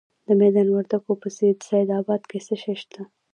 د میدان وردګو په سید اباد کې څه شی شته؟